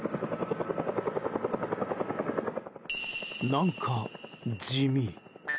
何か、地味。